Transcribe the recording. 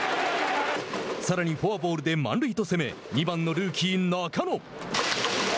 さらにフォアボールで満塁と攻め２番のルーキー中野。